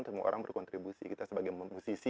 semua orang berkontribusi kita sebagai musisi